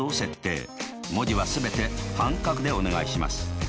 文字は全て半角でお願いします。